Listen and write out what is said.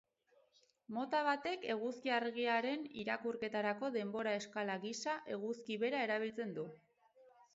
Mota batek eguzki-argiaren irakurketarako denbora-eskala gisa eguzki bera erabiltzen du.